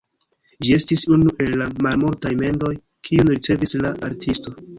Ĝi estis unu el la malmultaj mendoj, kiujn ricevis la artisto.